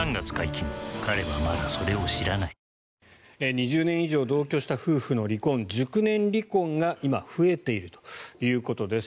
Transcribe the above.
２０年以上同居した夫婦の離婚熟年離婚が今、増えているということです。